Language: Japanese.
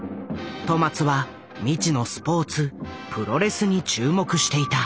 戸松は未知のスポーツプロレスに注目していた。